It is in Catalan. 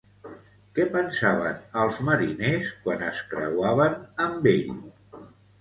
Què pensaven els mariners quan es creuaven amb ell?